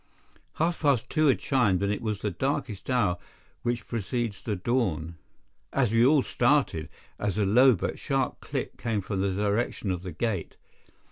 Half past two had chimed, and it was the darkest hour which precedes the dawn, when we all started as a low but sharp click came from the direction of the gate.